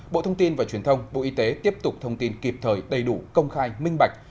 bộ thông tin và truyền thông bộ y tế tiếp tục thông tin kịp thời đầy đủ công khai minh bạch